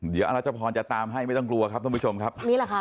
เดี๋ยวรัชพรจะตามให้ไม่ต้องกลัวครับทุกผู้ชมครับ